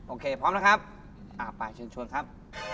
โอเคพร้อมนะครับเอาไปช่วยครับ